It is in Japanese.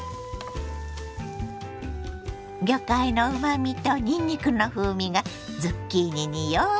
魚介のうまみとにんにくの風味がズッキーニによくなじみます。